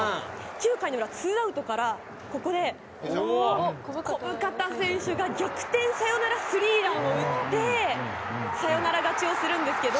９回の裏ツーアウトからここで小深田選手が逆転サヨナラスリーランを打ってサヨナラ勝ちをするんですけど。